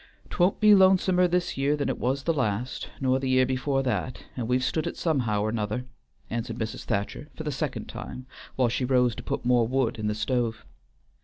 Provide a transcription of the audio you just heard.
"'T won't be lonesomer this year than it was last, nor the year before that, and we've stood it somehow or 'nother," answered Mrs. Thacher for the second time, while she rose to put more wood in the stove.